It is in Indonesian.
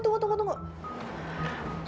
eh tunggu tunggu tunggu tunggu